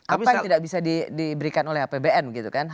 apa yang tidak bisa diberikan oleh apbn gitu kan